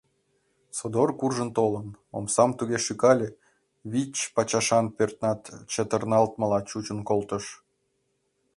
Содор куржын толын, омсам туге шӱкале — вич пачашан пӧртнат чытырналтмыла чучын колтыш.